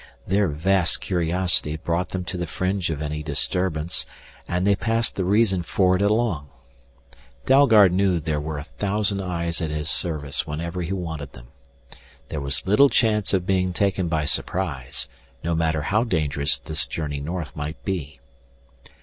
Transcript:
Their vast curiosity brought them to the fringe of any disturbance, and they passed the reason for it along. Dalgard knew there were a thousand eyes at his service whenever he wanted them. There was little chance of being taken by surprise, no matter how dangerous this journey north might be.